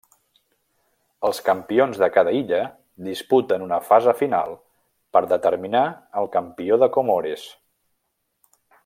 Els campions de cada illa disputen una fase final per determinar el campió de Comores.